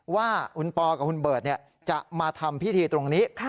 ว่าคุณปอกับคุณเบิร์ตจะมาทำพิธีตรงนี้